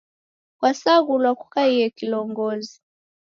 Kwasaghulwa kukaie kilongozi